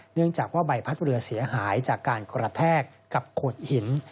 เนื่องจากว่าใบพัดเรือเสียหายจากการกระแทกกับโขดหิน